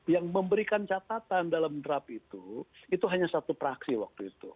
yang memberikan catatan dalam draft itu itu hanya satu praksi waktu itu